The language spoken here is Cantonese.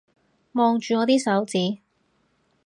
望住我啲手指